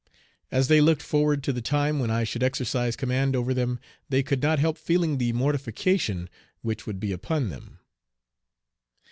As they looked forward to the time when I should exercise command over them, they could not help feeling the mortification which would be upon them.